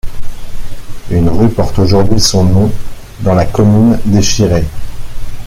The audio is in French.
Une rue porte aujourd'hui son nom dans la commune d'Échiré.